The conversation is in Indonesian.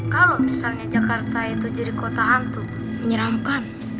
kalau misalnya jakarta itu jadi kota hantu menyeramkan